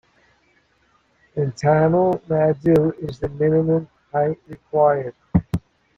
In Tamil Nadu, is the minimum height required.